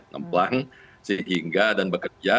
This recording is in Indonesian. nge mplang sehingga dan bekerja